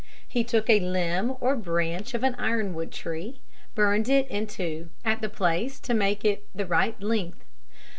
He took a limb or branch of an ironwood tree, burned it in two at the place to make it the right length.